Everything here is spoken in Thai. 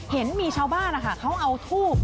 เห็นมีชาวบ้านนะคะเขาเอาทูบ